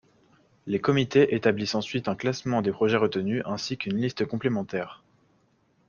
Les comités établissent ensuite un classement des projets retenus ainsi qu'une liste complémentaire.